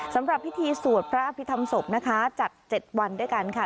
สำหรับพิธีสวดพระอภิษฐรรมศพนะคะจัด๗วันด้วยกันค่ะ